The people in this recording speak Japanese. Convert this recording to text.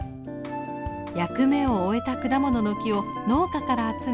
役目を終えた果物の木を農家から集め寄せ木にします。